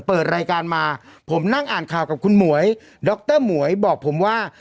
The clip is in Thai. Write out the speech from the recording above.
เปิดรายการมาผมนั่งอ่านข่าวกับคุณหมวยดรหมวยบอกผมว่า